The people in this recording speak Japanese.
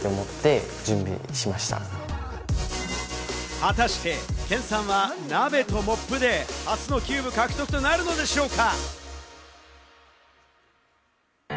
果たしてケンさんは鍋とモップで初のキューブの獲得となるのでしょうか？